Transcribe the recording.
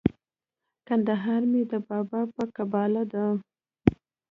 کندهار مي د بابا په قباله دی